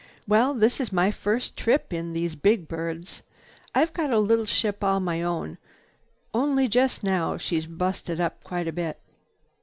"Well, this is my first trip in these big birds. I've got a little ship all my own, only just now she's busted up quite a bit."